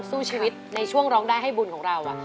สู้ชีวิตในช่วงร้องได้ให้บุญของเรา